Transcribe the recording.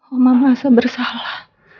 oma merasa bersalah